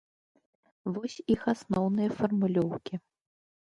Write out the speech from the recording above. Вось іх асноўныя фармулёўкі.